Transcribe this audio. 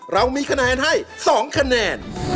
เรามีคะแนนให้๒คะแนน